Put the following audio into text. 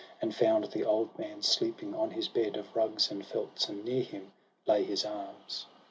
And found the old man sleeping on his bed Of rugs and felts, and near him lay his arms.